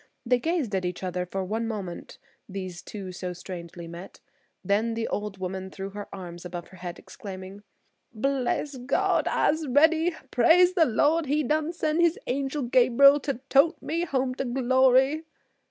They gazed at each other for one moment, these two so strangely met, then the old woman threw her arms above her head, exclaiming: "Bless Gawd! I'se ready! Praise the Lor'! He done sen' his Angel Gabriel to tote me home to glory."